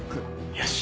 よし！